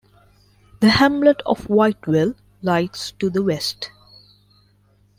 The hamlet of Whitewell lies to the west.